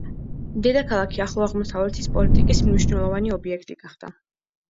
დედაქალაქი ახლო აღმოსავლეთის პოლიტიკის მნიშვნელოვანი ობიექტი გახდა.